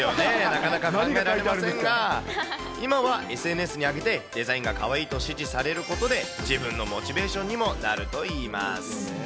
なかなかですが、今はＳＮＳに上げて、デザインがかわいいと支持されることで、自分のモチベーションにもなるといいます。